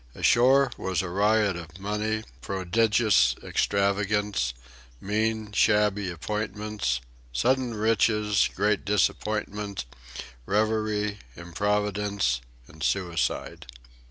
Ashore was a riot of money, prodigious extravagance, mean, shabby appointments, sudden riches, great disappointment, revelry, improvidence and suicide.